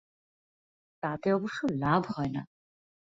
তাতে অবশ্য লাভ হয় না।